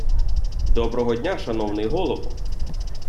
Доброго дня, шановний голово!